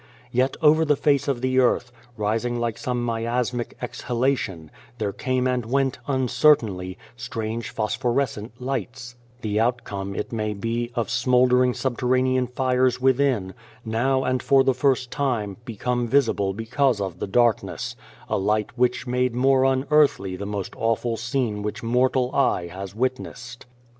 Yet over the face of the earth, rising like some miasmic exhalation, there came and went, uncertainly, strange phosphorescent lights the outcome, it may be, of smouldering subterranean fires within now, and for the first time, become visible because of the darkness ; a light which made more unearthly the most awful scene which mortal eye has witnessed.